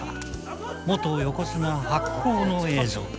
元横綱白鵬の映像。